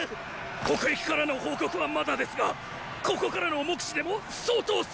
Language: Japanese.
北壁からの報告はまだですがここからの目視でも相当数敵が！